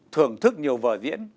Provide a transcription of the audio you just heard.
thưởng thức nhiều vở diễn